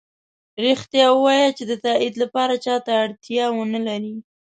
ریښتیا ؤوایه چې د تایید لپاره چا ته اړتیا ونه لری